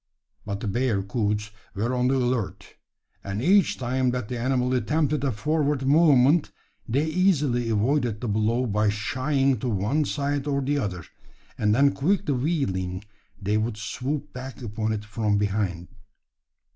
But the bearcoots were on the alert; and each time that the animal attempted a forward movement, they easily avoided the blow by shying to one side or the other; and then quickly wheeling, they would swoop back upon it from behind.